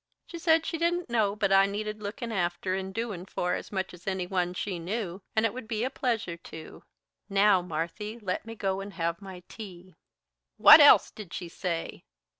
She said she didn't know but I needed lookin' after and doin' for as much as any one she knew, and it would be a pleasure to now, Marthy, let me go and have my tea." "What else did she say?"